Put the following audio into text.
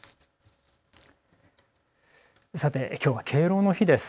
さて、きょうは敬老の日です。